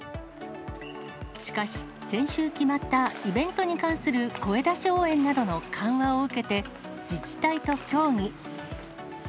しかし、先週決まったイベントに関する声出し応援などの緩和を受けて、自治体と協議。